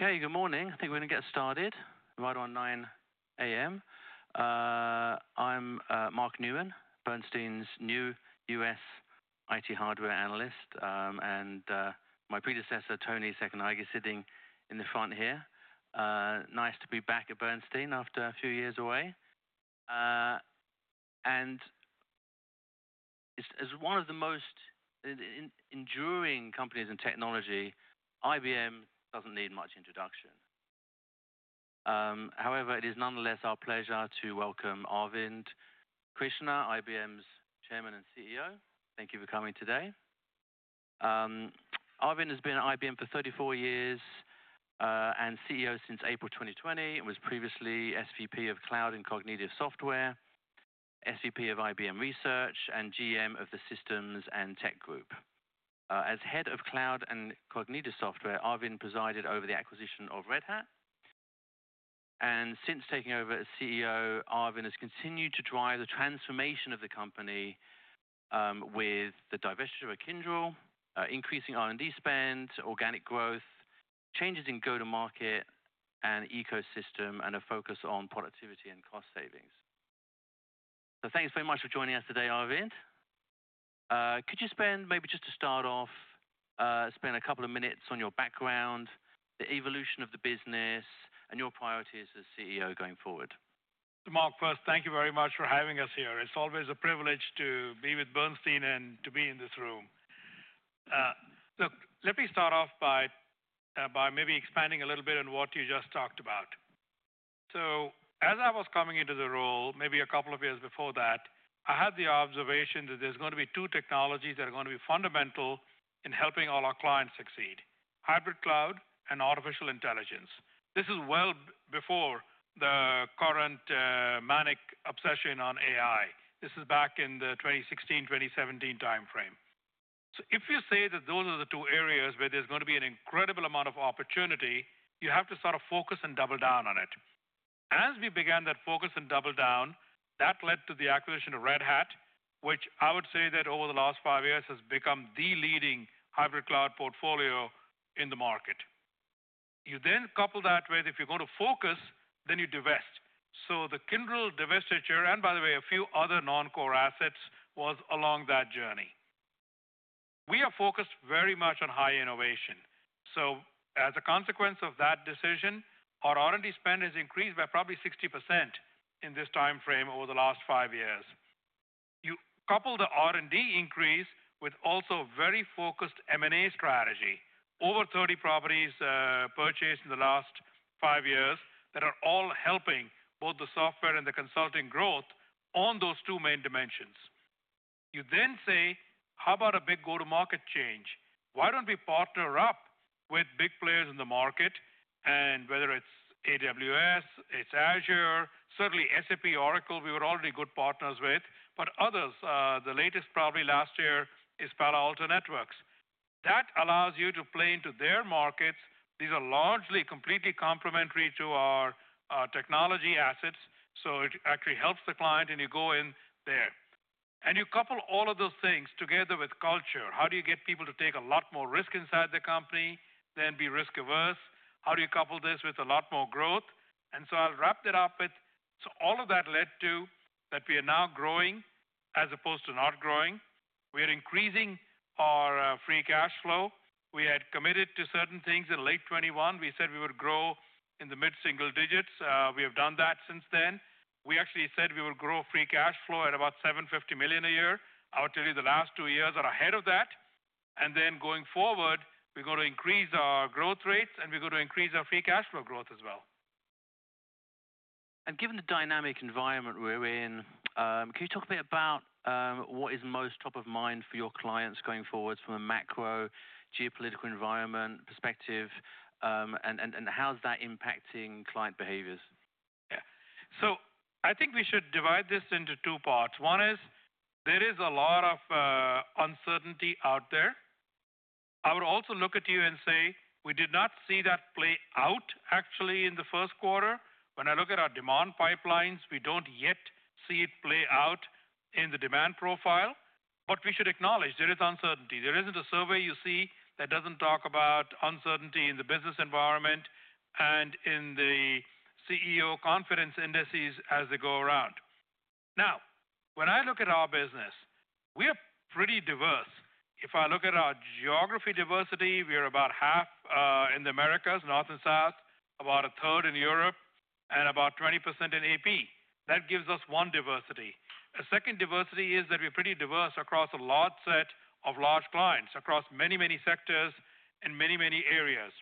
Okay, good morning. I think we're going to get started right around 9:00 A.M. I'm Mark Newman, Bernstein's new US IT hardware analyst, and my predecessor, Tony Sacconaghi, sitting in the front here. Nice to be back at Bernstein after a few years away. As one of the most enduring companies in technology, IBM doesn't need much introduction. However, it is nonetheless our pleasure to welcome Arvind Krishna, IBM's Chairman and CEO. Thank you for coming today. Arvind has been at IBM for 34 years, and CEO since April 2020, and was previously SVP of Cloud and Cognitive Software, SVP of IBM Research, and GM of the Systems and Tech Group. As head of Cloud and Cognitive Software, Arvind presided over the acquisition of Red Hat. Since taking over as CEO, Arvind has continued to drive the transformation of the company, with the diversity of a Kindle, increasing R&D spend, organic growth, changes in go-to-market and ecosystem, and a focus on productivity and cost savings. Thanks very much for joining us today, Arvind. Could you spend, maybe just to start off, spend a couple of minutes on your background, the evolution of the business, and your priorities as CEO going forward? Mark, first, thank you very much for having us here. It's always a privilege to be with Bernstein and to be in this room. Look, let me start off by maybe expanding a little bit on what you just talked about. As I was coming into the role, maybe a couple of years before that, I had the observation that there's going to be two technologies that are going to be fundamental in helping all our clients succeed: hybrid cloud and artificial intelligence. This is well before the current, manic obsession on AI. This is back in the 2016, 2017 timeframe. If you say that those are the two areas where there's going to be an incredible amount of opportunity, you have to sort of focus and double down on it. As we began that focus and double down, that led to the acquisition of Red Hat, which I would say that over the last 5 years has become the leading hybrid cloud portfolio in the market. You then couple that with, if you're going to focus, then you divest. The Kindle divestiture, and by the way, a few other non-core assets, was along that journey. We are focused very much on high innovation. As a consequence of that decision, our R&D spend has increased by probably 60% in this timeframe over the last 5 years. You couple the R&D increase with also very focused M&A strategy, over 30 properties, purchased in the last 5 years that are all helping both the software and the consulting growth on those two main dimensions. You then say, how about a big go-to-market change? Why don't we partner up with big players in the market, and whether it's AWS, it's Azure, certainly SAP, Oracle, we were already good partners with, but others, the latest probably last year is Palo Alto Networks. That allows you to play into their markets. These are largely completely complementary to our technology assets, so it actually helps the client and you go in there. You couple all of those things together with culture. How do you get people to take a lot more risk inside the company, then be risk averse? How do you couple this with a lot more growth? I'll wrap that up with, all of that led to that we are now growing as opposed to not growing. We are increasing our free cash flow. We had committed to certain things in late 2021. We said we would grow in the mid-single digits. We have done that since then. We actually said we would grow free cash flow at about $750 million a year. I would tell you the last 2 years are ahead of that. Going forward, we're going to increase our growth rates and we're going to increase our free cash flow growth as well. Given the dynamic environment we're in, can you talk a bit about what is most top of mind for your clients going forward from a macro geopolitical environment perspective, and how's that impacting client behaviors? Yeah. I think we should divide this into two parts. One is there is a lot of uncertainty out there. I would also look at you and say we did not see that play out actually in the first quarter. When I look at our demand pipelines, we do not yet see it play out in the demand profile, but we should acknowledge there is uncertainty. There is not a survey you see that does not talk about uncertainty in the business environment and in the CEO conference indices as they go around. Now, when I look at our business, we are pretty diverse. If I look at our geography diversity, we are about 1/2 in the Americas, north and south, about 1/3 in Europe, and about 20% in AP. That gives us one diversity. A second diversity is that we are pretty diverse across a large set of clients across many, many sectors in many, many areas.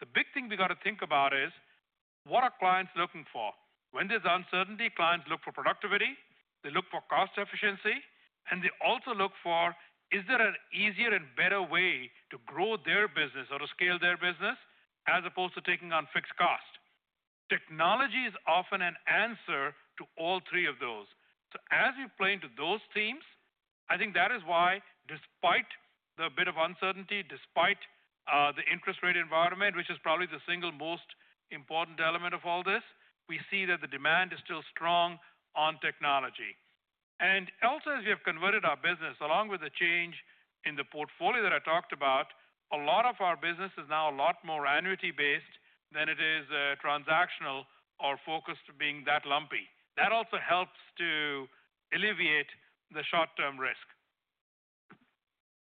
The big thing we got to think about is what are clients looking for? When there's uncertainty, clients look for productivity, they look for cost efficiency, and they also look for, is there an easier and better way to grow their business or to scale their business as opposed to taking on fixed cost? Technology is often an answer to all three of those. As we play into those themes, I think that is why despite the bit of uncertainty, despite the interest rate environment, which is probably the single most important element of all this, we see that the demand is still strong on technology. As we have converted our business along with the change in the portfolio that I talked about, a lot of our business is now a lot more annuity-based than it is transactional or focused to being that lumpy. That also helps to alleviate the short-term risk.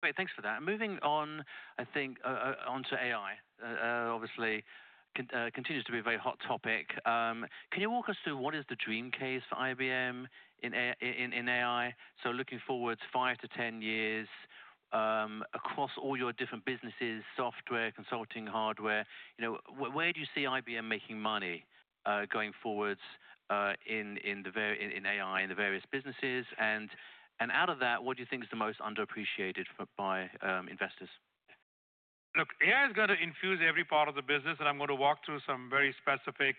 Great. Thanks for that. Moving on, I think, onto AI, obviously, AI continues to be a very hot topic. Can you walk us through what is the dream case for IBM in AI? Looking forwards 5-10 years, across all your different businesses, software, consulting, hardware, you know, where do you see IBM making money, going forwards, in AI in the various businesses? Out of that, what do you think is the most underappreciated by investors? Look, AI is going to infuse every part of the business, and I'm going to walk through some very specific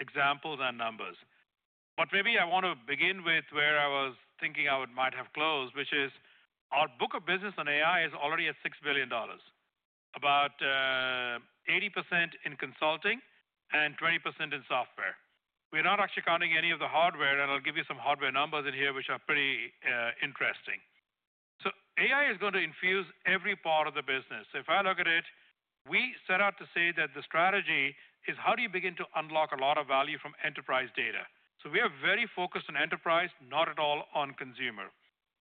examples and numbers. Maybe I want to begin with where I was thinking I might have closed, which is our book of business on AI is already at $6 billion, about 80% in consulting and 20% in software. We're not actually counting any of the hardware, and I'll give you some hardware numbers in here which are pretty interesting. AI is going to infuse every part of the business. If I look at it, we set out to say that the strategy is how do you begin to unlock a lot of value from enterprise data. We are very focused on enterprise, not at all on consumer.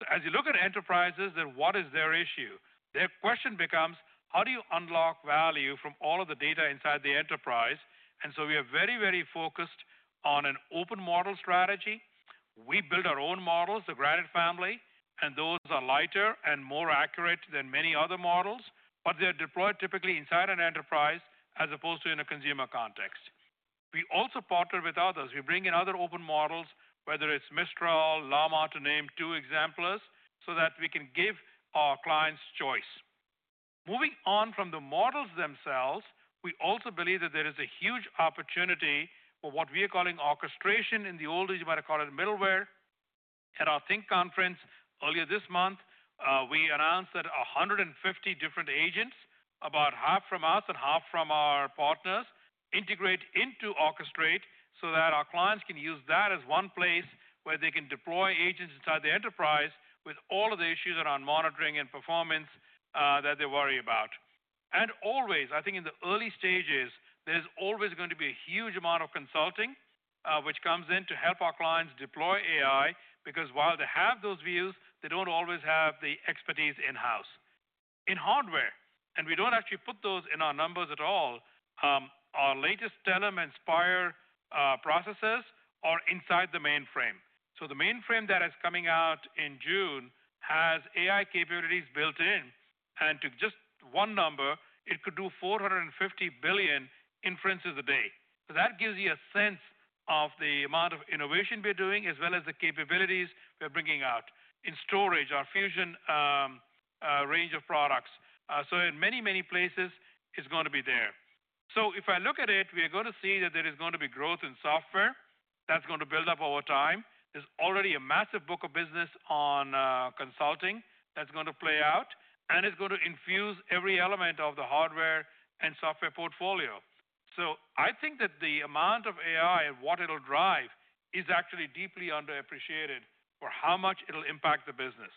As you look at enterprises, then what is their issue? Their question becomes, how do you unlock value from all of the data inside the enterprise? We are very, very focused on an open model strategy. We build our own models, the Granite Family, and those are lighter and more accurate than many other models, but they're deployed typically inside an enterprise as opposed to in a consumer context. We also partner with others. We bring in other open models, whether it's Mistral, Llama to name two examples, so that we can give our clients choice. Moving on from the models themselves, we also believe that there is a huge opportunity for what we are calling orchestration. In the old age, you might have called it middleware. At our Think conference earlier this month, we announced that 150 different agents, about 1/2 from us and 1/2 from our partners, integrate into Orchestrate so that our clients can use that as one place where they can deploy agents inside the enterprise with all of the issues around monitoring and performance that they worry about. I think in the early stages, there's always going to be a huge amount of consulting, which comes in to help our clients deploy AI because while they have those views, they don't always have the expertise in-house. In hardware, and we don't actually put those in our numbers at all, our latest Telum and Spire processors are inside the mainframe. The mainframe that is coming out in June has AI capabilities built in, and to just one number, it could do 450 billion inferences a day. That gives you a sense of the amount of innovation we're doing as well as the capabilities we're bringing out in storage, our Fusion range of products. In many, many places it's going to be there. If I look at it, we are going to see that there is going to be growth in software that's going to build up over time. There's already a massive book of business on consulting that's going to play out, and it's going to infuse every element of the hardware and software portfolio. I think that the amount of AI and what it'll drive is actually deeply underappreciated for how much it'll impact the business.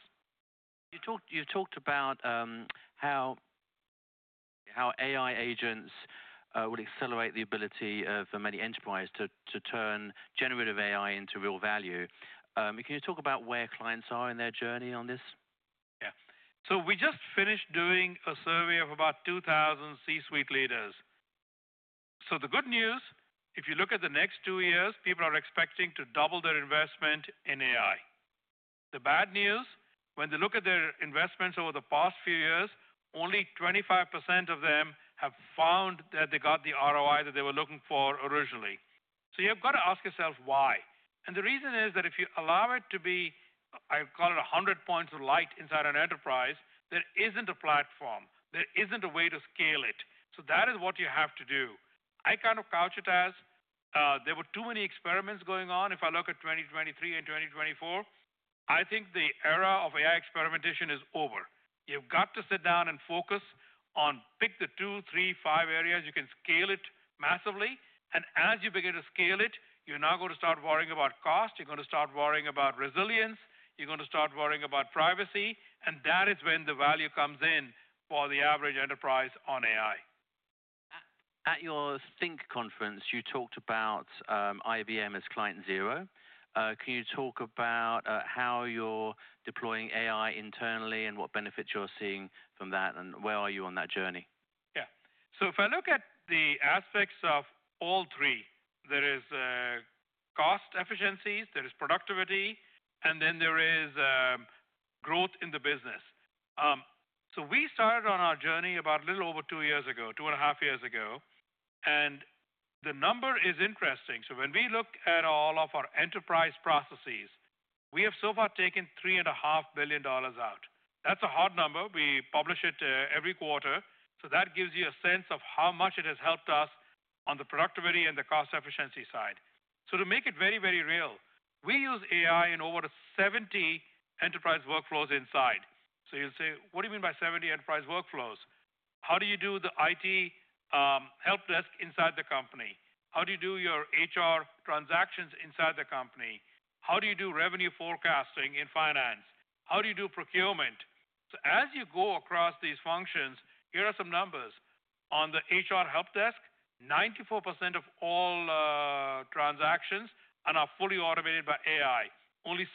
You talked about how AI agents would accelerate the ability of many enterprises to turn generative AI into real value. Can you talk about where clients are in their journey on this? Yeah. We just finished doing a survey of about 2,000 C-suite leaders. The good news, if you look at the next 2 years, people are expecting to double their investment in AI. The bad news, when they look at their investments over the past few years, only 25% of them have found that they got the ROI that they were looking for originally. You have to ask yourself why. The reason is that if you allow it to be, I call it 100 points of light inside an enterprise, there is not a platform, there is not a way to scale it. That is what you have to do. I kind of couch it as, there were too many experiments going on. If I look at 2023 and 2024, I think the era of AI experimentation is over. You've got to sit down and focus on pick the two, three, five areas you can scale it massively. As you begin to scale it, you're now going to start worrying about cost, you're going to start worrying about resilience, you're going to start worrying about privacy, and that is when the value comes in for the average enterprise on AI. At your Think conference, you talked about IBM as client zero. Can you talk about how you're deploying AI internally and what benefits you're seeing from that, and where are you on that journey? Yeah. If I look at the aspects of all three, there is cost efficiencies, there is productivity, and then there is growth in the business. We started on our journey about a little over 2 years ago, 2.5 years ago, and the number is interesting. When we look at all of our enterprise processes, we have so far taken $3.5 billion out. That's a hard number. We publish it every quarter. That gives you a sense of how much it has helped us on the productivity and the cost efficiency side. To make it very, very real, we use AI in over 70 enterprise workflows inside. You'll say, what do you mean by 70 enterprise workflows? How do you do the IT help desk inside the company? How do you do your HR transactions inside the company? How do you do revenue forecasting in finance? How do you do procurement? As you go across these functions, here are some numbers. On the HR help desk, 94% of all transactions are now fully automated by AI. Only 6%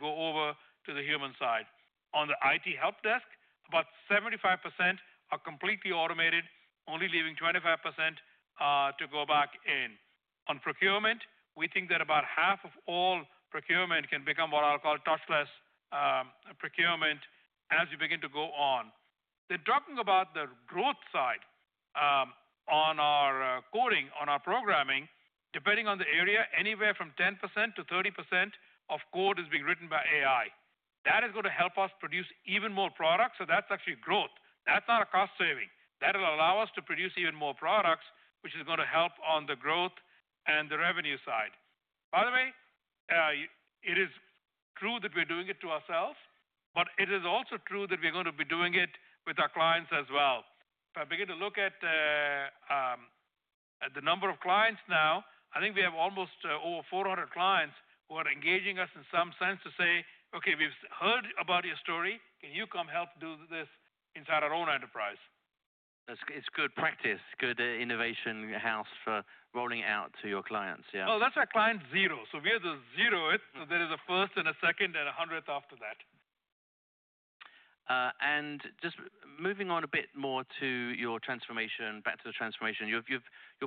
go over to the human side. On the IT help desk, about 75% are completely automated, only leaving 25% to go back in. On procurement, we think that about 1/2 of all procurement can become what I'll call touchless procurement as you begin to go on. Talking about the growth side, on our coding, on our programming, depending on the area, anywhere from 10%-30% of code is being written by AI. That is going to help us produce even more products. That's actually growth. That's not a cost saving. That'll allow us to produce even more products, which is going to help on the growth and the revenue side. By the way, it is true that we're doing it to ourselves, but it is also true that we're going to be doing it with our clients as well. If I begin to look at the number of clients now, I think we have almost, over 400 clients who are engaging us in some sense to say, okay, we've heard about your story. Can you come help do this inside our own enterprise? That's good, it's good practice, good innovation house for rolling out to your clients. Yeah. That is our client zero. We are the zero. There is a first and a second and a hundredth after that. Just moving on a bit more to your transformation, back to the transformation. Your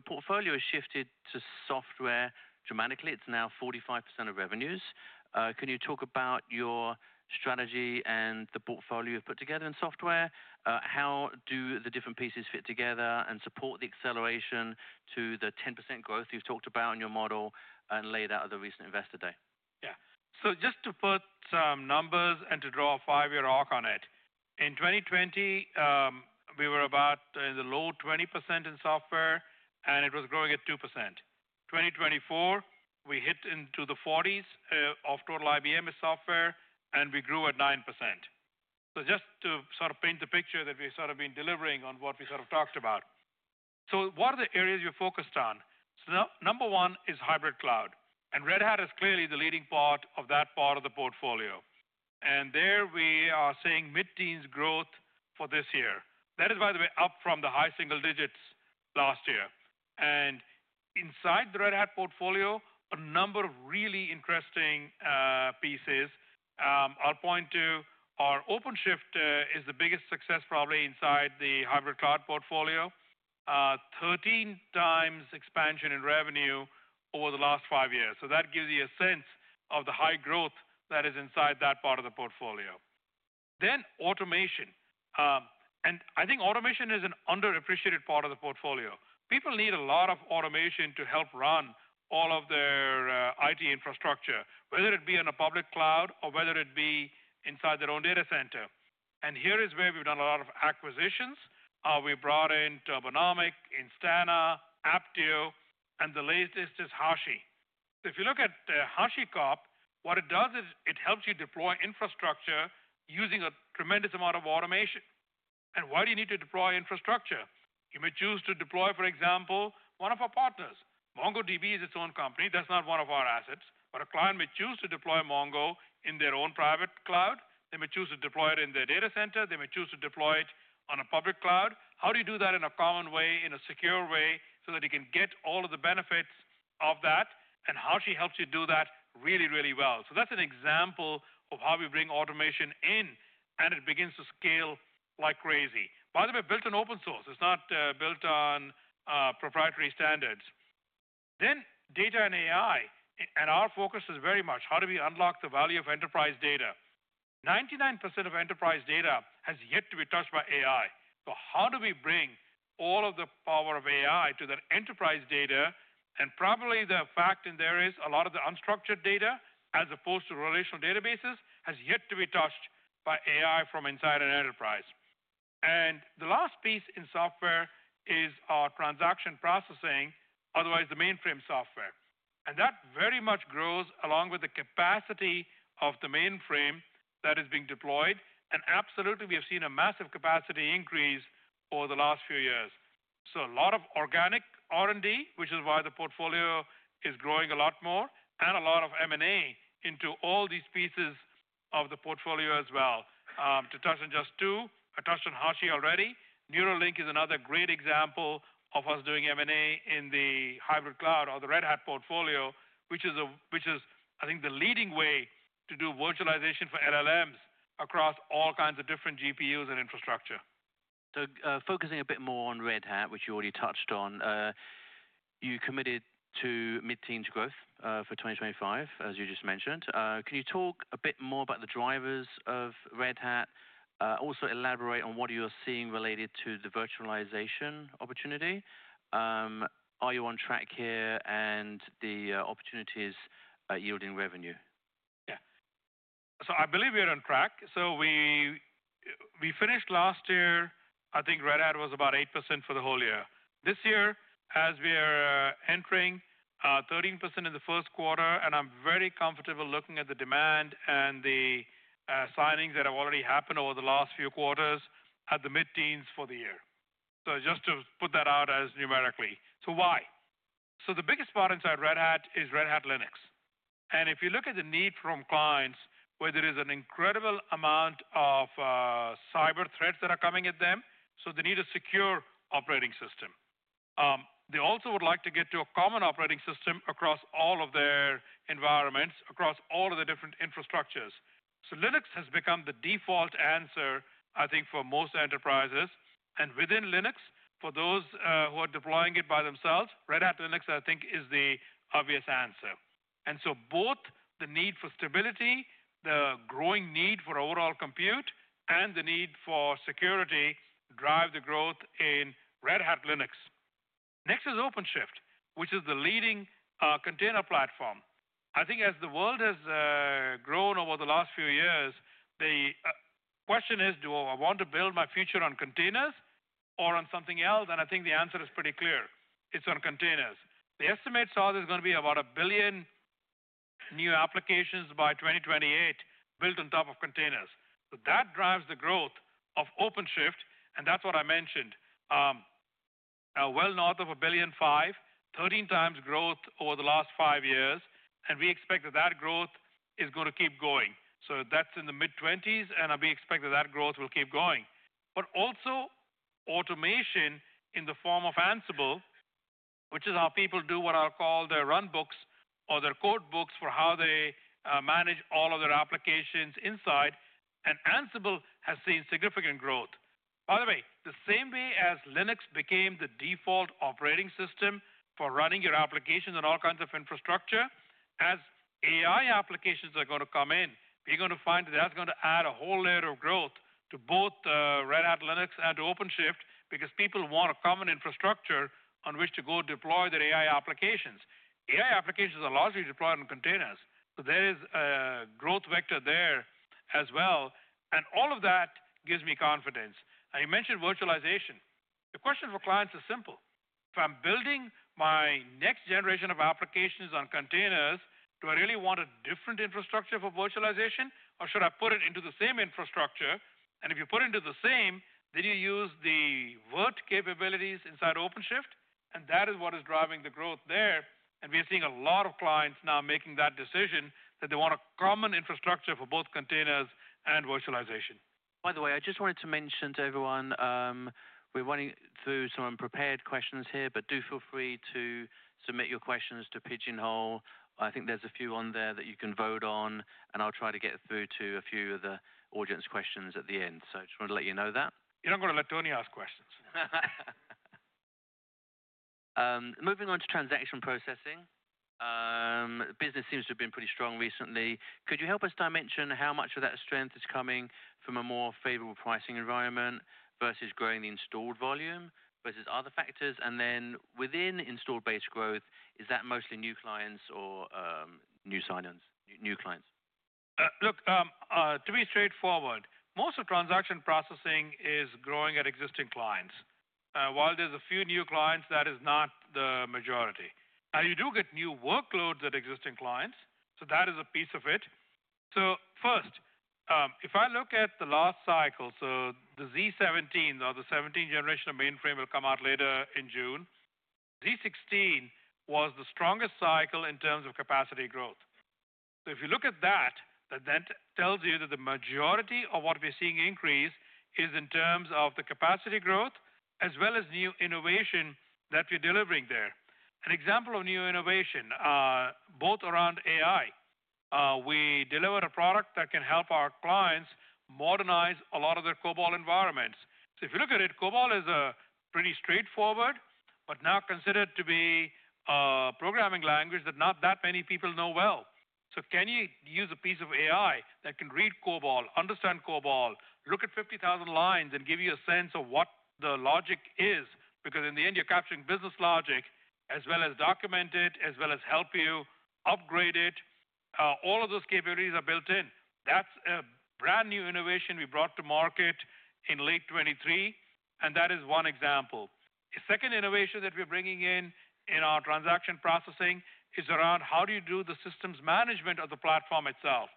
portfolio has shifted to software dramatically. It's now 45% of revenues. Can you talk about your strategy and the portfolio you've put together in software? How do the different pieces fit together and support the acceleration to the 10% growth you've talked about in your model and laid out at the recent Investor Day? Yeah. Just to put some numbers and to draw a five-year arc on it, in 2020, we were about in the low 20% in software, and it was growing at 2%. In 2024, we hit into the 40s of total IBM software, and we grew at 9%. Just to sort of paint the picture that we've sort of been delivering on what we sort of talked about. What are the areas you're focused on? Number one is hybrid cloud, and Red Hat is clearly the leading part of that part of the portfolio. There we are seeing mid-teens growth for this year. That is, by the way, up from the high single digits last year. Inside the Red Hat portfolio, a number of really interesting pieces. I'll point to our OpenShift, is the biggest success probably inside the hybrid cloud portfolio, 13x expansion in revenue over the last 5 years. That gives you a sense of the high growth that is inside that part of the portfolio. Automation, and I think automation is an underappreciated part of the portfolio. People need a lot of automation to help run all of their IT infrastructure, whether it be in a public cloud or whether it be inside their own data center. Here is where we've done a lot of acquisitions. We brought in Turbonomic, Instana, Apptio, and the latest is Hashi. If you look at HashiCorp, what it does is it helps you deploy infrastructure using a tremendous amount of automation. Why do you need to deploy infrastructure? You may choose to deploy, for example, one of our partners. MongoDB is its own company. That's not one of our assets, but a client may choose to deploy Mongo in their own private cloud. They may choose to deploy it in their data center. They may choose to deploy it on a public cloud. How do you do that in a common way, in a secure way, so that you can get all of the benefits of that? Hashi helps you do that really, really well. That's an example of how we bring automation in, and it begins to scale like crazy. By the way, built on open source. It's not built on proprietary standards. Then data and AI, and our focus is very much how do we unlock the value of enterprise data. 99% of enterprise data has yet to be touched by AI. How do we bring all of the power of AI to that enterprise data? Probably the fact in there is a lot of the unstructured data as opposed to relational databases has yet to be touched by AI from inside an enterprise. The last piece in software is our transaction processing, otherwise the mainframe software. That very much grows along with the capacity of the mainframe that is being deployed. Absolutely, we have seen a massive capacity increase over the last few years. A lot of organic R&D, which is why the portfolio is growing a lot more, and a lot of M&A into all these pieces of the portfolio as well. To touch on just two, I touched on Hashi already. Magic is another great example of us doing M&A in the hybrid cloud or the Red Hat portfolio, which is, I think, the leading way to do virtualization for LLMs across all kinds of different GPUs and infrastructure. Focusing a bit more on Red Hat, which you already touched on, you committed to mid-teens growth for 2025, as you just mentioned. Can you talk a bit more about the drivers of Red Hat, also elaborate on what you're seeing related to the virtualization opportunity? Are you on track here and the opportunities yielding revenue? Yeah. I believe we are on track. We finished last year, I think Red Hat was about 8% for the whole year. This year, as we are entering, 13% in the first quarter, and I'm very comfortable looking at the demand and the signings that have already happened over the last few quarters at the mid-teens for the year. Just to put that out as numerically. Why? The biggest part inside Red Hat is Red Hat Linux. If you look at the need from clients, there is an incredible amount of cyber threats that are coming at them, so they need a secure operating system. They also would like to get to a common operating system across all of their environments, across all of the different infrastructures. Linux has become the default answer, I think, for most enterprises. Within Linux, for those who are deploying it by themselves, Red Hat Linux, I think, is the obvious answer. Both the need for stability, the growing need for overall compute, and the need for security drive the growth in Red Hat Linux. Next is OpenShift, which is the leading container platform. I think as the world has grown over the last few years, the question is, do I want to build my future on containers or on something else? I think the answer is pretty clear. It's on containers. The estimates are there's going to be about a billion new applications by 2028 built on top of containers. That drives the growth of OpenShift, and that's what I mentioned. Well north of $1.5 billion, 13x growth over the last 5 years, and we expect that that growth is going to keep going. That is in the mid-20s, and we expect that growth will keep going. Also, automation in the form of Ansible, which is how people do what I'll call their runbooks or their code books for how they manage all of their applications inside. Ansible has seen significant growth. By the way, the same way as Linux became the default operating system for running your applications on all kinds of infrastructure, as AI applications are going to come in, you're going to find that's going to add a whole layer of growth to both Red Hat Linux and to OpenShift because people want a common infrastructure on which to go deploy their AI applications. AI applications are largely deployed on containers, so there is a growth vector there as well. All of that gives me confidence. You mentioned virtualization. The question for clients is simple. If I'm building my next generation of applications on containers, do I really want a different infrastructure for virtualization, or should I put it into the same infrastructure? If you put it into the same, then you use the vert capabilities inside OpenShift, and that is what is driving the growth there. We are seeing a lot of clients now making that decision that they want a common infrastructure for both containers and virtualization. By the way, I just wanted to mention to everyone, we're running through some unprepared questions here, but do feel free to submit your questions to Pigeonhole. I think there's a few on there that you can vote on, and I'll try to get through to a few of the audience questions at the end. I just wanted to let you know that? You're not going to let Tony ask questions. Moving on to transaction processing, business seems to have been pretty strong recently. Could you help us dimension how much of that strength is coming from a more favorable pricing environment versus growing the installed volume versus other factors? Within installed-based growth, is that mostly new clients or, new sign-ins, new clients? Look, to be straightforward, most of transaction processing is growing at existing clients. While there's a few new clients, that is not the majority. Now, you do get new workloads at existing clients, so that is a piece of it. First, if I look at the last cycle, the Z17, or the 17th generation of mainframe, will come out later in June. Z16 was the strongest cycle in terms of capacity growth. If you look at that, that then tells you that the majority of what we're seeing increase is in terms of the capacity growth as well as new innovation that we're delivering there. An example of new innovation, both around AI, we deliver a product that can help our clients modernize a lot of their COBOL environments. If you look at it, COBOL is a pretty straightforward, but now considered to be a programming language that not that many people know well. Can you use a piece of AI that can read COBOL, understand COBOL, look at 50,000 lines, and give you a sense of what the logic is? Because in the end, you're capturing business logic as well as document it, as well as help you upgrade it. All of those capabilities are built in. That is a brand new innovation we brought to market in late 2023, and that is one example. The second innovation that we're bringing in in our transaction processing is around how do you do the systems management of the platform itself?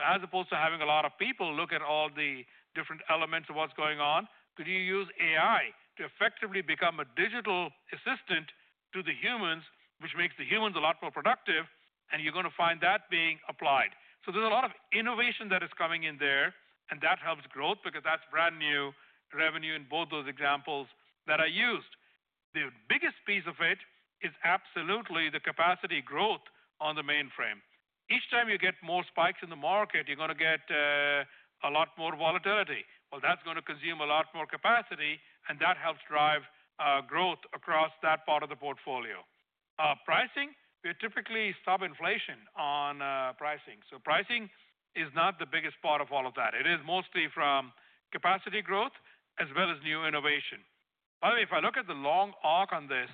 As opposed to having a lot of people look at all the different elements of what's going on, could you use AI to effectively become a digital assistant to the humans, which makes the humans a lot more productive? You're going to find that being applied. There's a lot of innovation that is coming in there, and that helps growth because that's brand new revenue in both those examples that I used. The biggest piece of it is absolutely the capacity growth on the mainframe. Each time you get more spikes in the market, you're going to get a lot more volatility. That's going to consume a lot more capacity, and that helps drive growth across that part of the portfolio. Pricing, we are typically sub-inflation on pricing. Pricing is not the biggest part of all of that. It is mostly from capacity growth as well as new innovation. By the way, if I look at the long arc on this,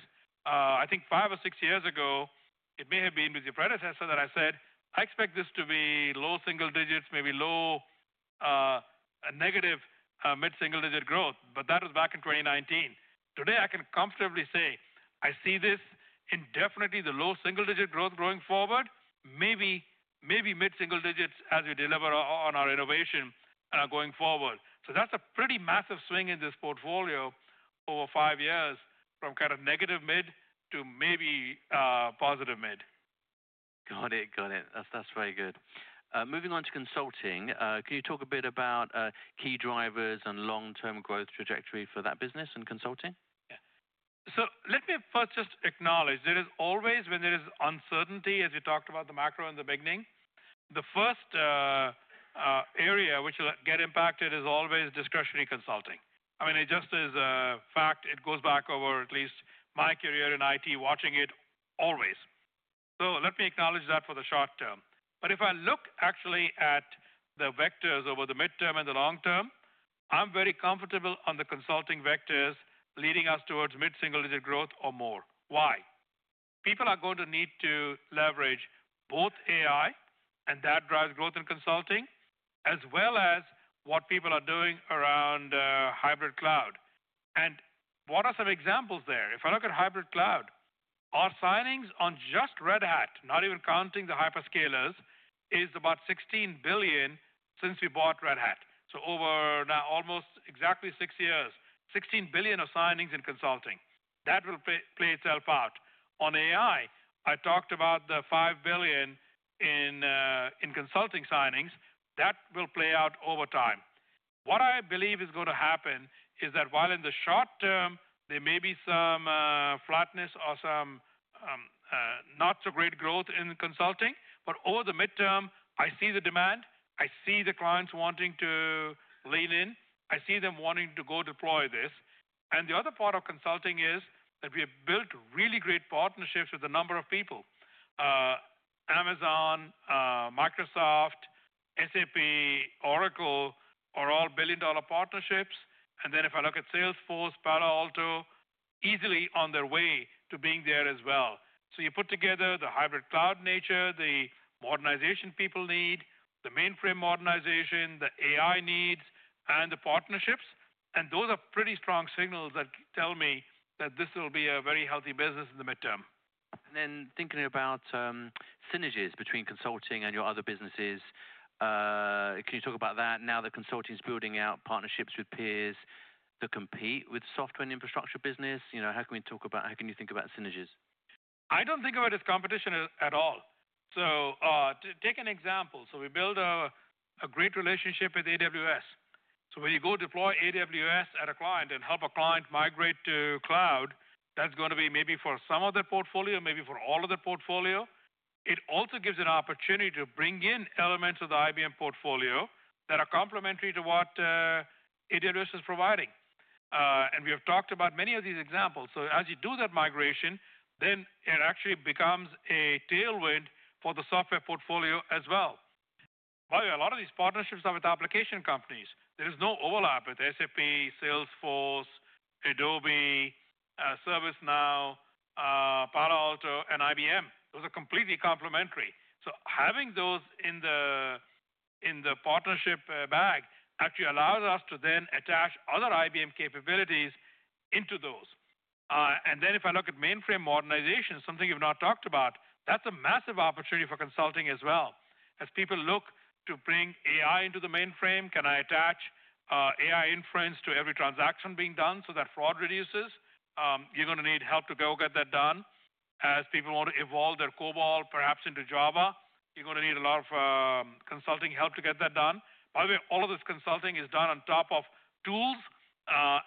I think five or 6 years ago, it may have been with your predecessor that I said, I expect this to be low single digits, maybe low, negative, mid-single digit growth, but that was back in 2019. Today, I can comfortably say I see this in definitely the low single digit growth going forward, maybe, maybe mid-single digits as we deliver on our innovation going forward. That is a pretty massive swing in this portfolio over 5 years from kind of negative mid to maybe, positive mid. Got it. Got it. That's very good. Moving on to consulting, can you talk a bit about key drivers and long-term growth trajectory for that business and consulting? Yeah. Let me first just acknowledge there is always, when there is uncertainty, as we talked about the macro and the big thing, the first area which will get impacted is always discretionary consulting. I mean, it just is a fact. It goes back over at least my career in IT, watching it always. Let me acknowledge that for the short term. If I look actually at the vectors over the midterm and the long term, I'm very comfortable on the consulting vectors leading us towards mid-single digit growth or more. Why? People are going to need to leverage both AI, and that drives growth in consulting, as well as what people are doing around hybrid cloud. What are some examples there? If I look at hybrid cloud, our signings on just Red Hat, not even counting the hyperscalers, is about $16 billion since we bought Red Hat. Over now almost exactly 6 years, $16 billion of signings in consulting. That will play itself out. On AI, I talked about the $5 billion in consulting signings. That will play out over time. What I believe is going to happen is that while in the short term, there may be some flatness or some not so great growth in consulting, over the midterm, I see the demand. I see the clients wanting to lean in. I see them wanting to go deploy this. The other part of consulting is that we have built really great partnerships with a number of people. Amazon, Microsoft, SAP, Oracle are all billion-dollar partnerships. If I look at Salesforce, Palo Alto, easily on their way to being there as well. You put together the hybrid cloud nature, the modernization people need, the mainframe modernization, the AI needs, and the partnerships. Those are pretty strong signals that tell me that this will be a very healthy business in the midterm. Thinking about synergies between consulting and your other businesses, can you talk about that? Now that consulting is building out partnerships with peers that compete with software and infrastructure business, you know, how can we talk about, how can you think about synergies? I don't think about it as competition at all. To take an example, we build a great relationship with AWS. When you go deploy AWS at a client and help a client migrate to cloud, that's going to be maybe for some of the portfolio, maybe for all of the portfolio. It also gives an opportunity to bring in elements of the IBM portfolio that are complementary to what AWS is providing. We have talked about many of these examples. As you do that migration, then it actually becomes a tailwind for the software portfolio as well. By the way, a lot of these partnerships are with application companies. There is no overlap with SAP, Salesforce, Adobe, ServiceNow, Palo Alto, and IBM. Those are completely complementary. Having those in the partnership bag actually allows us to then attach other IBM capabilities into those. If I look at mainframe modernization, something you've not talked about, that's a massive opportunity for consulting as well. As people look to bring AI into the mainframe, can I attach AI inference to every transaction being done so that fraud reduces? You're going to need help to go get that done. As people want to evolve their COBOL, perhaps into Java, you're going to need a lot of consulting help to get that done. By the way, all of this consulting is done on top of tools,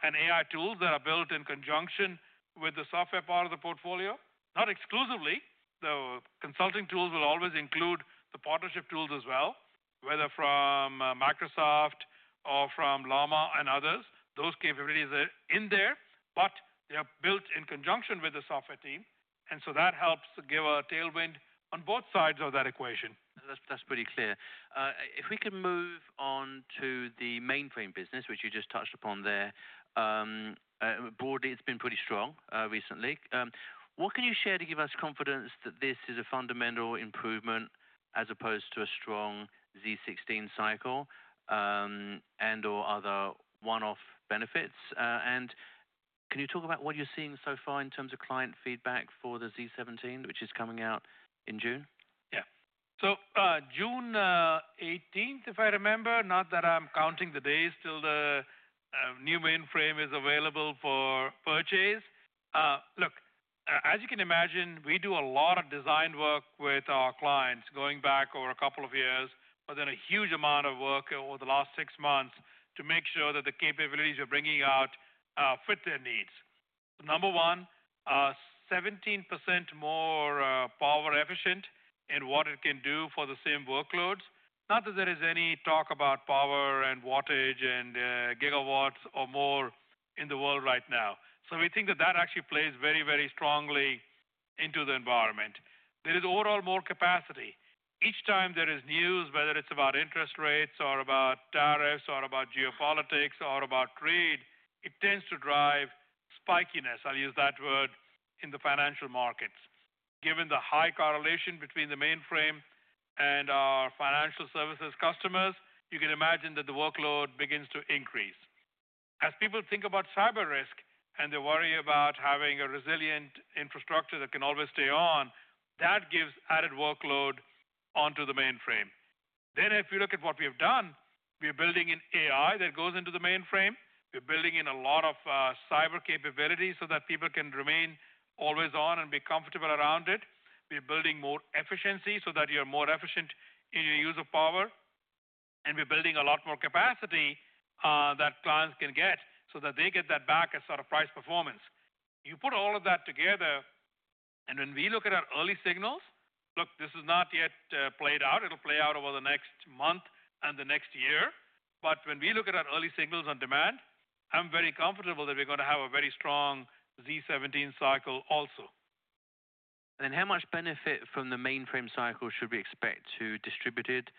and AI tools that are built in conjunction with the software part of the portfolio. Not exclusively, the consulting tools will always include the partnership tools as well, whether from Microsoft or from Llama and others. Those capabilities are in there, but they are built in conjunction with the software team. That helps give a tailwind on both sides of that equation. That's, that's pretty clear. If we can move on to the mainframe business, which you just touched upon there, broadly, it's been pretty strong recently. What can you share to give us confidence that this is a fundamental improvement as opposed to a strong Z16 cycle, and/or other one-off benefits? And can you talk about what you're seeing so far in terms of client feedback for the Z17, which is coming out in June? Yeah. June 18th, if I remember, not that I'm counting the days till the new mainframe is available for purchase. Look, as you can imagine, we do a lot of design work with our clients going back over a couple of years, but then a huge amount of work over the last 6 months to make sure that the capabilities we're bringing out fit their needs. Number one, 17% more power efficient in what it can do for the same workloads. Not that there is any talk about power and wattage and gigawatts or more in the world right now. We think that that actually plays very, very strongly into the environment. There is overall more capacity. Each time there is news, whether it's about interest rates or about tariffs or about geopolitics or about trade, it tends to drive spikiness, I'll use that word, in the financial markets. Given the high correlation between the mainframe and our financial services customers, you can imagine that the workload begins to increase. As people think about cyber risk and they worry about having a resilient infrastructure that can always stay on, that gives added workload onto the mainframe. If you look at what we have done, we are building in AI that goes into the mainframe. We're building in a lot of cyber capabilities so that people can remain always on and be comfortable around it. We're building more efficiency so that you're more efficient in your use of power. We're building a lot more capacity, that clients can get so that they get that back as sort of price performance. You put all of that together, and when we look at our early signals, look, this is not yet played out. It'll play out over the next month and the next year. When we look at our early signals on demand, I'm very comfortable that we're going to have a very strong Z17 cycle also. How much benefit from the mainframe cycle should we expect to distributed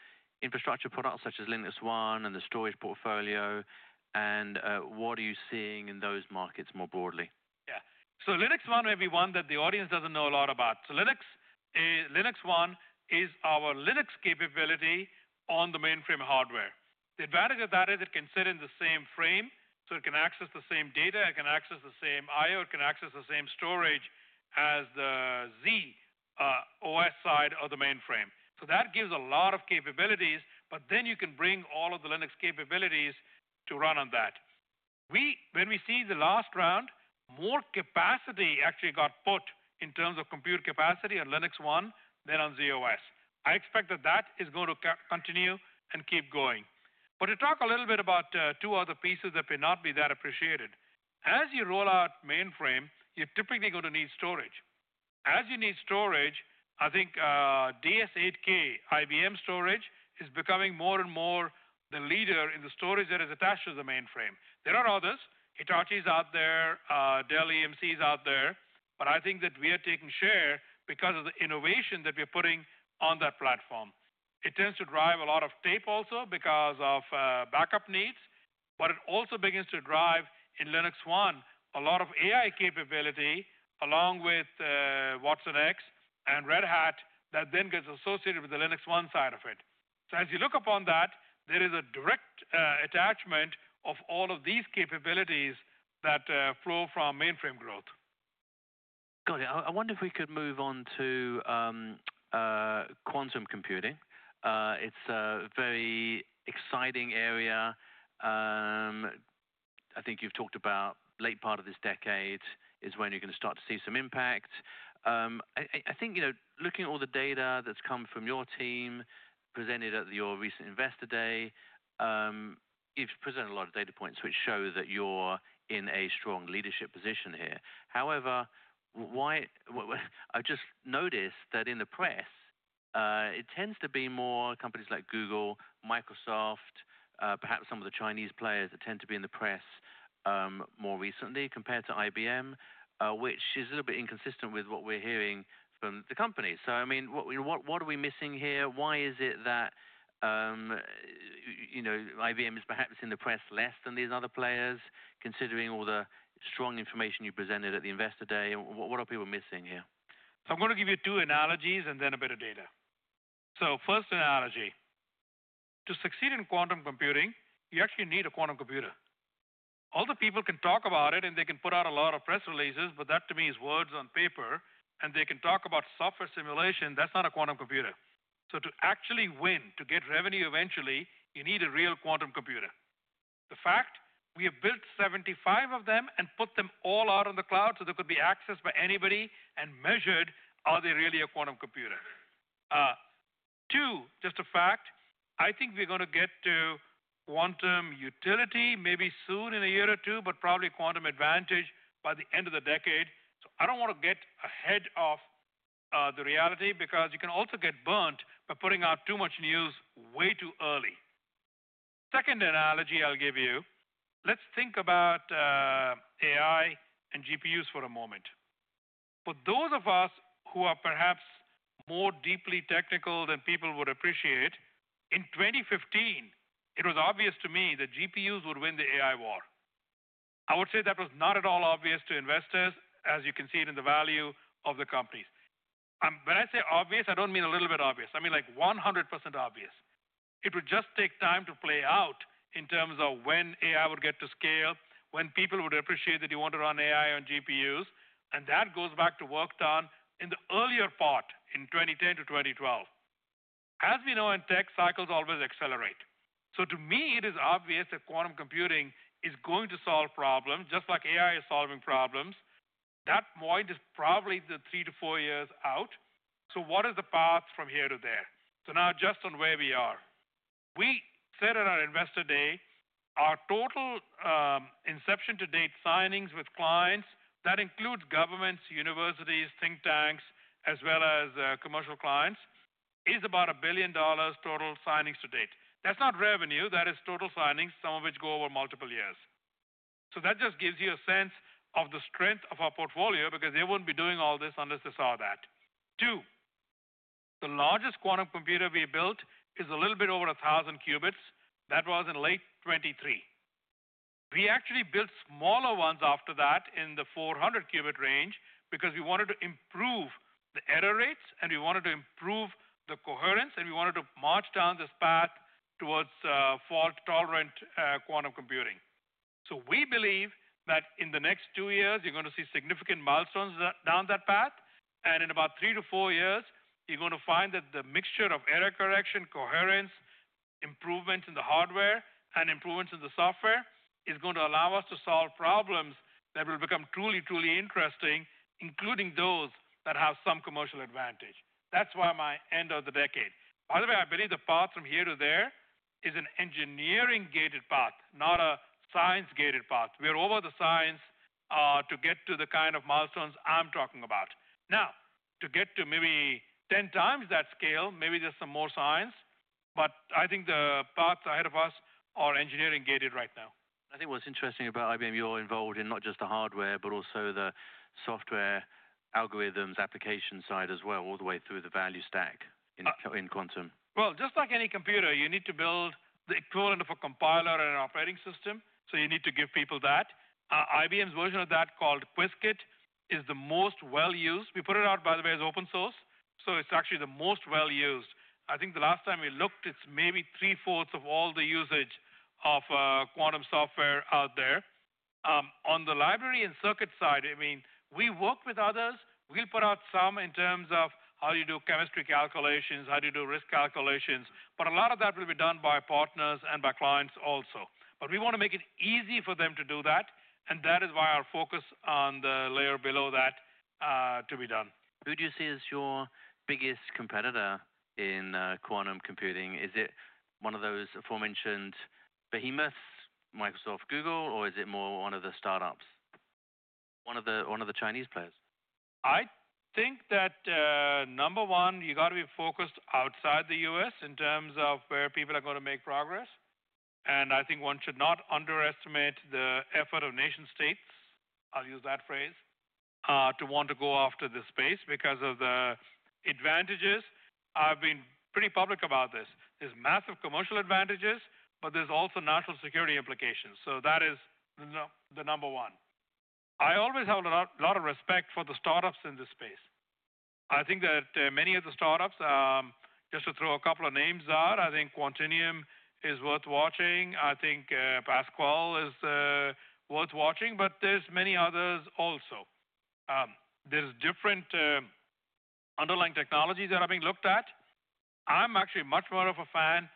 infrastructure products such as LinuxONE and the storage portfolio? What are you seeing in those markets more broadly? Yeah. So LinuxONE, maybe one that the audience doesn't know a lot about. So Linux, LinuxONE is our Linux capability on the mainframe hardware. The advantage of that is it can sit in the same frame, so it can access the same data, it can access the same I/O, it can access the same storage as the z/OS side of the mainframe. That gives a lot of capabilities, but then you can bring all of the Linux capabilities to run on that. We, when we see the last round, more capacity actually got put in terms of compute capacity on LinuxONE than on z/OS. I expect that that is going to continue and keep going. To talk a little bit about two other pieces that may not be that appreciated. As you roll out mainframe, you're typically going to need storage. As you need storage, I think, DS8K IBM storage is becoming more and more the leader in the storage that is attached to the mainframe. There are others. Hitachi's out there, Dell EMC's out there. I think that we are taking share because of the innovation that we're putting on that platform. It tends to drive a lot of tape also because of backup needs. It also begins to drive in LinuxONE a lot of AI capability along with Watsonx and Red Hat that then gets associated with the LinuxONE side of it. As you look upon that, there is a direct attachment of all of these capabilities that flow from mainframe growth. Got it. I wonder if we could move on to quantum computing. It's a very exciting area. I think you've talked about late part of this decade is when you're going to start to see some impact. I think, you know, looking at all the data that's come from your team presented at your recent Investor Day, you've presented a lot of data points which show that you're in a strong leadership position here. However, what I just noticed is that in the press, it tends to be more companies like Google, Microsoft, perhaps some of the Chinese players that tend to be in the press more recently compared to IBM, which is a little bit inconsistent with what we're hearing from the company. I mean, what are we missing here? Why is it that, you know, IBM is perhaps in the press less than these other players considering all the strong information you presented at the Investor Day? What are people missing here? I'm going to give you two analogies and then a bit of data. First analogy. To succeed in quantum computing, you actually need a quantum computer. All the people can talk about it and they can put out a lot of press releases, but that to me is words on paper. They can talk about software simulation. That's not a quantum computer. To actually win, to get revenue eventually, you need a real quantum computer. The fact, we have built 75 of them and put them all out on the cloud so they could be accessed by anybody and measured, are they really a quantum computer? Two, just a fact, I think we're going to get to quantum utility maybe soon in a year or two, but probably quantum advantage by the end of the decade. I do not want to get ahead of the reality because you can also get burnt by putting out too much news way too early. Second analogy I'll give you. Let's think about AI and GPUs for a moment. For those of us who are perhaps more deeply technical than people would appreciate, in 2015, it was obvious to me that GPUs would win the AI war. I would say that was not at all obvious to investors, as you can see it in the value of the companies. When I say obvious, I do not mean a little bit obvious. I mean like 100% obvious. It would just take time to play out in terms of when AI would get to scale, when people would appreciate that you want to run AI on GPUs. That goes back to work done in the earlier part in 2010 to 2012. As we know, in tech, cycles always accelerate. To me, it is obvious that quantum computing is going to solve problems just like AI is solving problems. That point is probably three to 4 years out. What is the path from here to there? Just on where we are, we said at our Investor Day, our total inception to date signings with clients, that includes governments, universities, think tanks, as well as commercial clients, is about $1 billion total signings to date. That's not revenue. That is total signings, some of which go over multiple years. That just gives you a sense of the strength of our portfolio because they would not be doing all this unless they saw that. Two, the largest quantum computer we built is a little bit over 1,000 qubits. That was in late 2023. We actually built smaller ones after that in the 400 qubit range because we wanted to improve the error rates and we wanted to improve the coherence and we wanted to march down this path towards fault-tolerant quantum computing. We believe that in the next 2 years, you're going to see significant milestones down that path. In about three to 4 years, you're going to find that the mixture of error correction, coherence, improvements in the hardware, and improvements in the software is going to allow us to solve problems that will become truly, truly interesting, including those that have some commercial advantage. That's why my end of the decade. By the way, I believe the path from here to there is an engineering-gated path, not a science-gated path. We're over the science, to get to the kind of milestones I'm talking about. Now, to get to maybe 10x that scale, maybe there's some more science, but I think the paths ahead of us are engineering-gated right now. I think what's interesting about IBM, you're involved in not just the hardware, but also the software algorithms, application side as well, all the way through the value stack in, in quantum. Just like any computer, you need to build the equivalent of a compiler and an operating system. You need to give people that. IBM's version of that called Qiskit is the most well used. We put it out, by the way, as open source. It is actually the most well used. I think the last time we looked, it is maybe three-fourths of all the usage of quantum software out there. On the library and circuit side, I mean, we work with others. We will put out some in terms of how you do chemistry calculations, how you do risk calculations. A lot of that will be done by partners and by clients also. We want to make it easy for them to do that. That is why our focus on the layer below that, to be done. Who do you see as your biggest competitor in quantum computing? Is it one of those aforementioned behemoths, Microsoft, Google, or is it more one of the startups, one of the Chinese players? I think that, number one, you got to be focused outside the U.S. in terms of where people are going to make progress. I think one should not underestimate the effort of nation-states, I'll use that phrase, to want to go after this space because of the advantages. I've been pretty public about this. There's massive commercial advantages, but there's also national security implications. That is the number one. I always have a lot, a lot of respect for the startups in this space. I think that, many of the startups, just to throw a couple of names out, I think Quantinuum is worth watching. I think, Pasqal is worth watching, but there's many others also. There's different, underlying technologies that are being looked at. I'm actually much more of a fan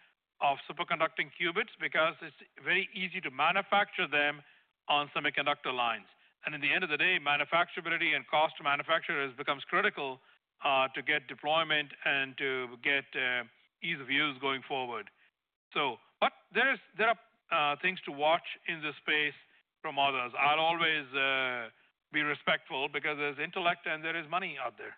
of superconducting qubits because it's very easy to manufacture them on semiconductor lines. In the end of the day, manufacturability and cost to manufacturers becomes critical, to get deployment and to get ease of use going forward. There are things to watch in this space from others. I'll always be respectful because there's intellect and there is money out there.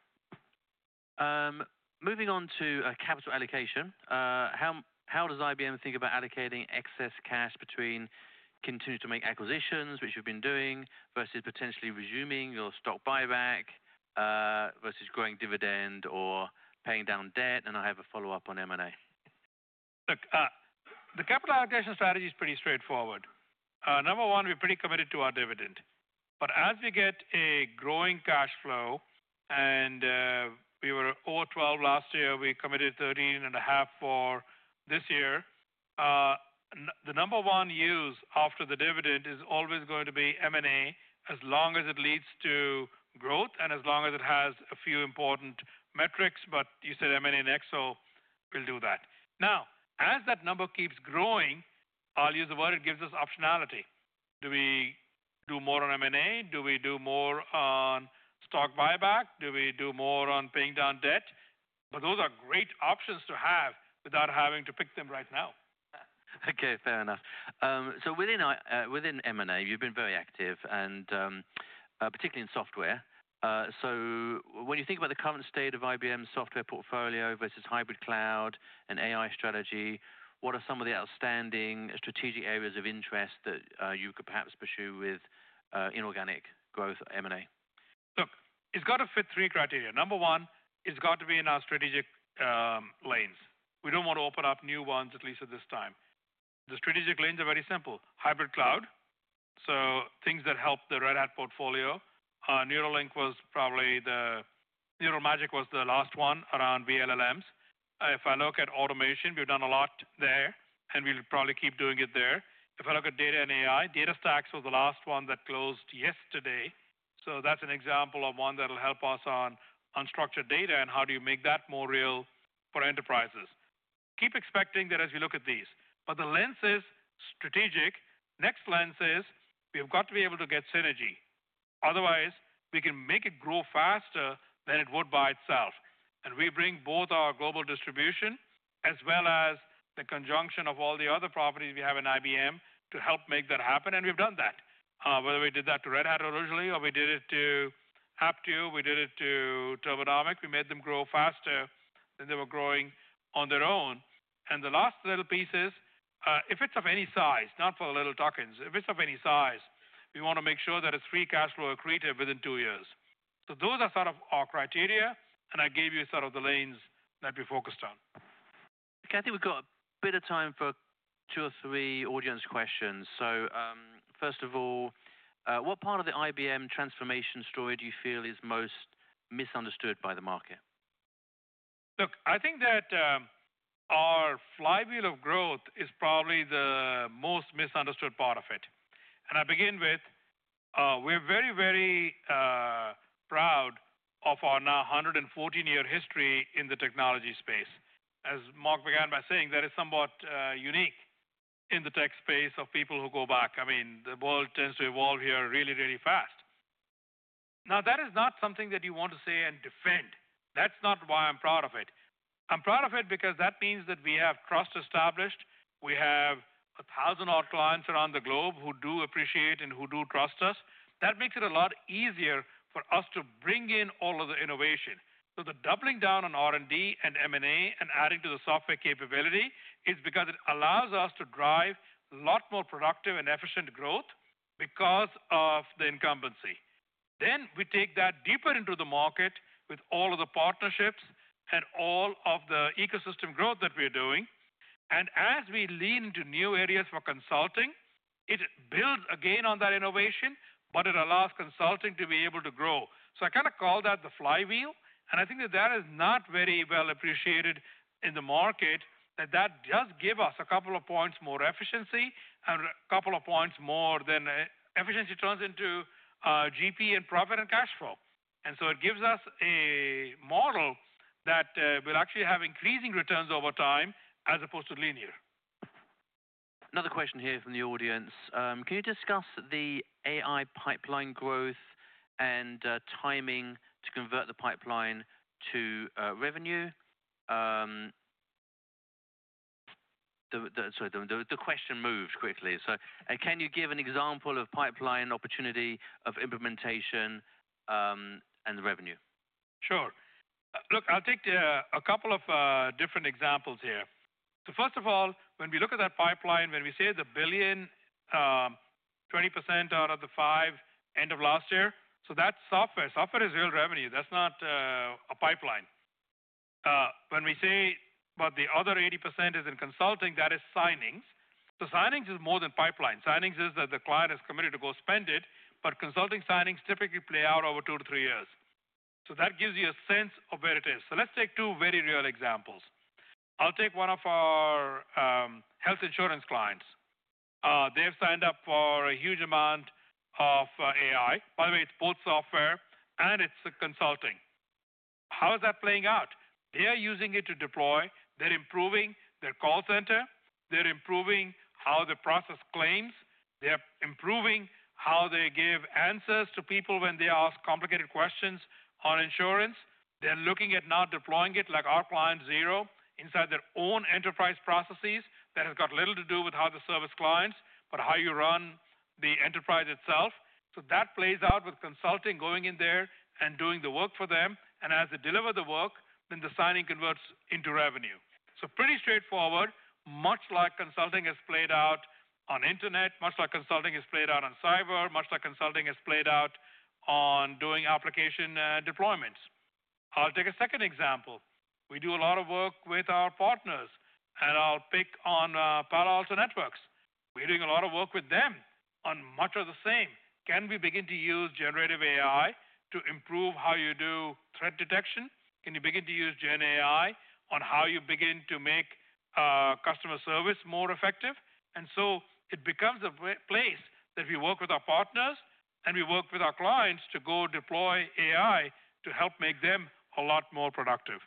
Moving on to capital allocation, how does IBM think about allocating excess cash between continuing to make acquisitions, which you've been doing, versus potentially resuming your stock buyback, versus growing dividend or paying down debt? I have a follow up on M&A. Look, the capital allocation strategy is pretty straightforward. Number one, we're pretty committed to our dividend. As we get a growing cash flow and we were over $12 billion last year, we committed $13.5 billion for this year. The number one use after the dividend is always going to be M&A as long as it leads to growth and as long as it has a few important metrics. You said M&A next, so we'll do that. Now, as that number keeps growing, I'll use the word it gives us optionality. Do we do more on M&A? Do we do more on stock buyback? Do we do more on paying down debt? Those are great options to have without having to pick them right now. Okay, fair enough. So within M&A, you've been very active and, particularly in software. So when you think about the current state of IBM's software portfolio versus hybrid cloud and AI strategy, what are some of the outstanding strategic areas of interest that you could perhaps pursue with inorganic growth M&A? Look, it's got to fit three criteria. Number one, it's got to be in our strategic lanes. We don't want to open up new ones, at least at this time. The strategic lanes are very simple. Hybrid cloud, so things that help the Red Hat portfolio. Neural Magic was the last one around VLLMs. If I look at automation, we've done a lot there and we'll probably keep doing it there. If I look at data and AI, DataStax was the last one that closed yesterday. That's an example of one that'll help us on unstructured data and how do you make that more real for enterprises. Keep expecting that as we look at these. The lens is strategic. Next lens is we've got to be able to get synergy. Otherwise, we can make it grow faster than it would by itself. We bring both our global distribution as well as the conjunction of all the other properties we have in IBM to help make that happen. We have done that, whether we did that to Red Hat originally or we did it to Apptio, we did it to Turbonomic. We made them grow faster than they were growing on their own. The last little piece is, if it is of any size, not for the little tokens, if it is of any size, we want to make sure that it is free cash flow accretive within 2 years. Those are sort of our criteria. I gave you sort of the lanes that we focused on. Kathy, we've got a bit of time for two or three audience questions. First of all, what part of the IBM transformation story do you feel is most misunderstood by the market? Look, I think that our flywheel of growth is probably the most misunderstood part of it. I begin with, we're very, very proud of our now 114-year history in the technology space. As Mark began by saying, that is somewhat unique in the tech space of people who go back. I mean, the world tends to evolve here really, really fast. Now, that is not something that you want to say and defend. That's not why I'm proud of it. I'm proud of it because that means that we have trust established. We have a thousand odd clients around the globe who do appreciate and who do trust us. That makes it a lot easier for us to bring in all of the innovation. The doubling down on R&D and M&A and adding to the software capability is because it allows us to drive a lot more productive and efficient growth because of the incumbency. We take that deeper into the market with all of the partnerships and all of the ecosystem growth that we're doing. As we lean into new areas for consulting, it builds again on that innovation, but it allows consulting to be able to grow. I kind of call that the flywheel. I think that that is not very well appreciated in the market, that that does give us a couple of points more efficiency and a couple of points more than efficiency turns into GP and profit and cash flow. It gives us a model that will actually have increasing returns over time as opposed to linear. Another question here from the audience. Can you discuss the AI pipeline growth and timing to convert the pipeline to revenue? The, the, sorry, the question moved quickly. Can you give an example of pipeline opportunity of implementation and revenue? Sure. Look, I'll take a couple of different examples here. First of all, when we look at that pipeline, when we say the billion, 20% out of the five end of last year, that's software. Software is real revenue. That's not a pipeline. When we say the other 80% is in consulting, that is signings. Signings is more than pipeline. Signings is that the client is committed to go spend it, but consulting signings typically play out over 2-3 years. That gives you a sense of where it is. Let's take two very real examples. I'll take one of our health insurance clients. They've signed up for a huge amount of AI. By the way, it's both software and it's consulting. How is that playing out? They're using it to deploy. They're improving their call center. They're improving how they process claims. They're improving how they give answers to people when they ask complicated questions on insurance. They're looking at not deploying it like our client Zero inside their own enterprise processes. That has got little to do with how they service clients, but how you run the enterprise itself. That plays out with consulting going in there and doing the work for them. As they deliver the work, then the signing converts into revenue. Pretty straightforward, much like consulting has played out on internet, much like consulting has played out on cyber, much like consulting has played out on doing application and deployments. I'll take a second example. We do a lot of work with our partners and I'll pick on Palo Alto Networks. We're doing a lot of work with them on much of the same. Can we begin to use generative AI to improve how you do threat detection? Can you begin to use GenAI on how you begin to make customer service more effective? It becomes a place that we work with our partners and we work with our clients to go deploy AI to help make them a lot more productive.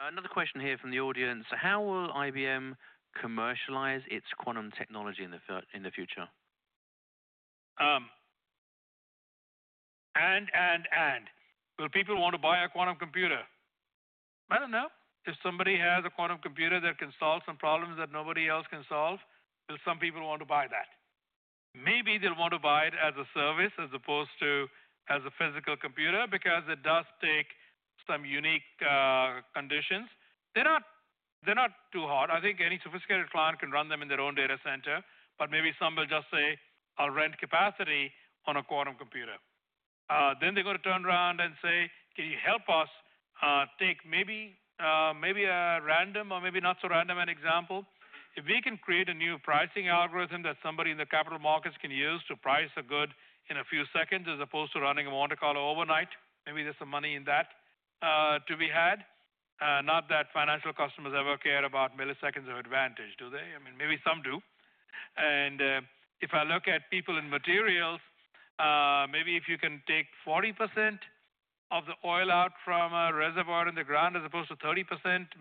Another question here from the audience. How will IBM commercialize its quantum technology in the, in the future? And will people want to buy a quantum computer? I don't know. If somebody has a quantum computer that can solve some problems that nobody else can solve, will some people want to buy that? Maybe they'll want to buy it as a service as opposed to as a physical computer because it does take some unique conditions. They're not too hard. I think any sophisticated client can run them in their own data center, but maybe some will just say, I'll rent capacity on a quantum computer. They are going to turn around and say, can you help us, take maybe, maybe a random or maybe not so random an example. If we can create a new pricing algorithm that somebody in the capital markets can use to price a good in a few seconds as opposed to running a monocollar overnight, maybe there's some money in that, to be had. Not that financial customers ever care about milliseconds of advantage, do they? I mean, maybe some do. If I look at people in materials, maybe if you can take 40% of the oil out from a reservoir in the ground as opposed to 30%,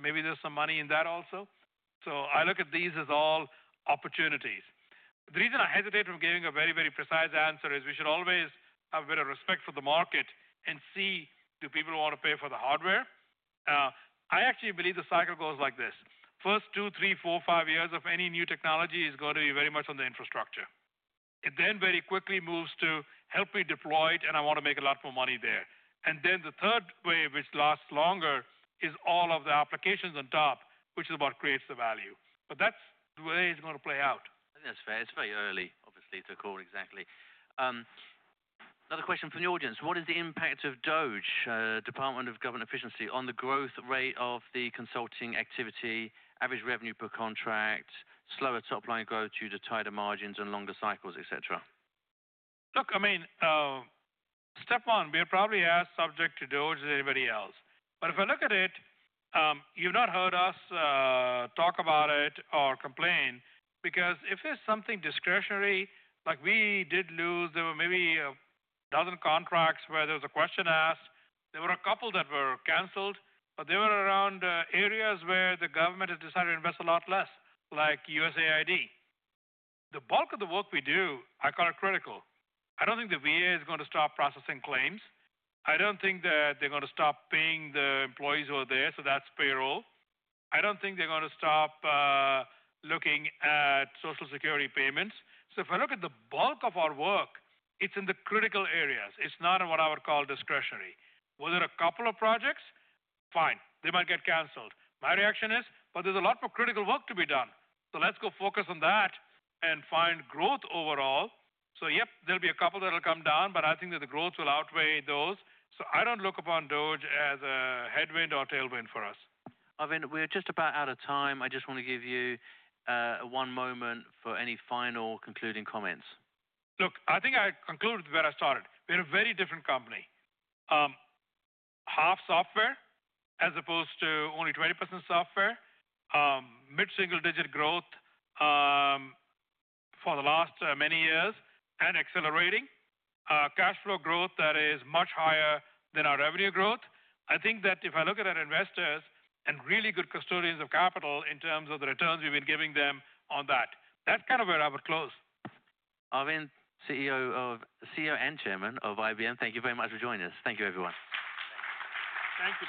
maybe there's some money in that also. I look at these as all opportunities. The reason I hesitate from giving a very, very precise answer is we should always have a bit of respect for the market and see do people want to pay for the hardware. I actually believe the cycle goes like this. First 2, 3, 4, 5 years of any new technology is going to be very much on the infrastructure. It then very quickly moves to help me deploy it and I want to make a lot more money there. The third way, which lasts longer, is all of the applications on top, which is what creates the value. That's the way it's going to play out. That's fair. It's very early, obviously, to call it exactly. Another question from the audience. What is the impact of DOGE, Department of Government Efficiency, on the growth rate of the consulting activity, average revenue per contract, slower topline growth due to tighter margins and longer cycles, etc.? Look, I mean, step one, we're probably as subject to DOGE as anybody else. If I look at it, you've not heard us talk about it or complain because if there's something discretionary, like we did lose, there were maybe a dozen contracts where there was a question asked. There were a couple that were canceled, but they were around areas where the government has decided to invest a lot less, like USAID. The bulk of the work we do, I call it critical. I don't think the VA is going to stop processing claims. I don't think that they're going to stop paying the employees who are there, so that's payroll. I don't think they're going to stop looking at social security payments. If I look at the bulk of our work, it's in the critical areas. It's not in what I would call discretionary. Were there a couple of projects? Fine. They might get canceled. My reaction is, but there's a lot more critical work to be done. Let's go focus on that and find growth overall. Yep, there'll be a couple that'll come down, but I think that the growth will outweigh those. I don't look upon DOGE as a headwind or tailwind for us. I mean, we're just about out of time. I just want to give you one moment for any final concluding comments. Look, I think I concluded where I started. We're a very different company. Half software as opposed to only 20% software, mid-single digit growth, for the last, many years and accelerating, cash flow growth that is much higher than our revenue growth. I think that if I look at our investors and really good custodians of capital in terms of the returns we've been giving them on that, that's kind of where I would close. Arvind, CEO and Chairman of IBM, thank you very much for joining us. Thank you, everyone. Thank you.